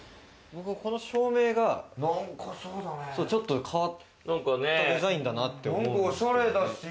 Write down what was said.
この照明がちょっと変わったデザインだなって思って。